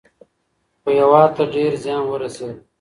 خو هیواد ته ډیر زیان ورسېد.